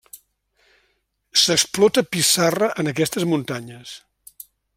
S'explota pissarra en aquestes muntanyes.